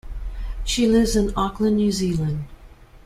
She lives in Auckland, New Zealand.